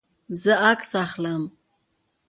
زه عکس اخلم